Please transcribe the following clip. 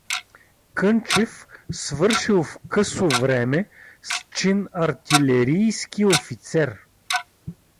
Кънчев свършил в късо време с чин артилерийски офицер.